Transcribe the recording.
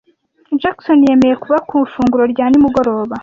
Jackson yemeye kuba ku ifunguro rya nimugoroba.